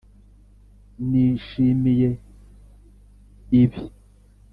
nishimiye ibi.